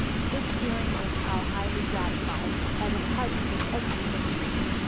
This feeling was now highly gratified by the tidings of Edmund's victory.